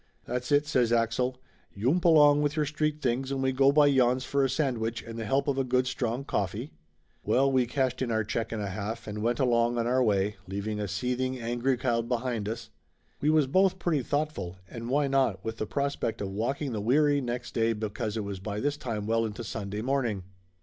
"That's it!" says Axel. "Yoump along into your street things and we go by Yohn's for a sandwich and tha help of a good strong coffee !" Well, we cashed in our check and a half, and went along on our way, leaving a seething angry crowd be hind us. We was both pretty thoughtful, and why not with the prospect of walking the weary next day be cause it was by this time well into Sunday morning